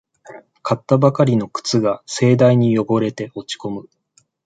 買ったばかりの靴が盛大に汚れて落ちこむ